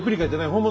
本物。